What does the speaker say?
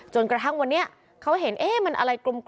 จนกระทั่งวันนี้เขาเห็นเอ๊ะมันอะไรกลม